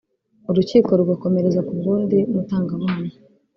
urukiko rugakomereza ku bw’undi mutangabuhamya